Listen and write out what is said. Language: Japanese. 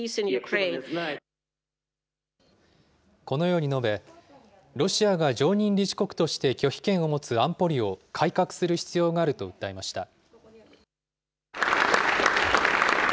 このように述べ、ロシアが常任理事国として拒否権を持つ安保理を改革する必要があると訴えました。